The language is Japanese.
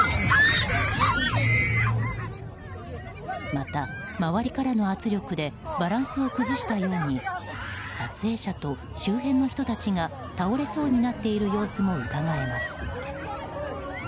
また、周りからの圧力でバランスを崩したように撮影者と周辺の人たちが倒れそうになっている様子もうかがえます。